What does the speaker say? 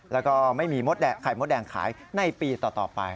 แล้วก็ไม่มีมดไข่มดแดงขายในปีต่อไป